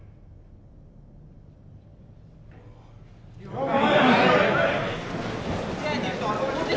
了解。